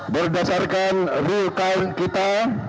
berdasarkan rule count kita